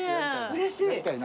うれしい。